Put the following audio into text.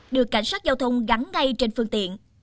được cảnh sát giao thông gắn ngay trên phương tiện